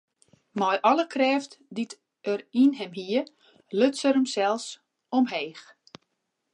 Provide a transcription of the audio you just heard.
Mei alle krêft dy't er yn him hie, luts er himsels omheech.